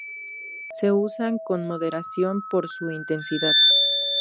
Se usan con moderación por su intensidad.